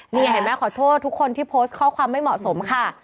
นี่เห็นไหมขอโทษทุกคนที่โพสต์ข้อความไม่เหมาะสมค่ะ